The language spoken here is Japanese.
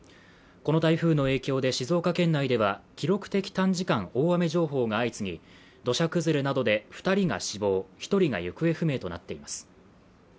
この台風の影響で静岡県内では記録的短時間大雨情報が相次ぎ土砂崩れなどで二人が死亡一人が行方不明となっています